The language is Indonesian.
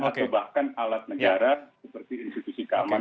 atau bahkan alat negara seperti institusi keamanan